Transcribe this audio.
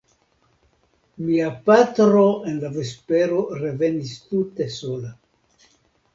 Mia patro en la vespero revenis tute sola.